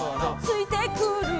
「ついてくる」